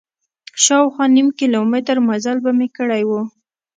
شاوخوا نیم کیلومتر مزل به مې کړی و.